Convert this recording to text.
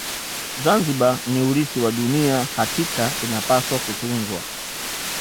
zanzibar ni urithi wa dunia hakika inapaswa kutunzwa